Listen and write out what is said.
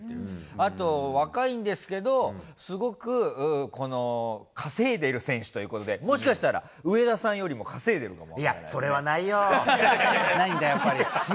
あと、若いんですけど、すごく稼いでる選手ということで、もしかしたら上田さんよりも稼いでるかもしれないです。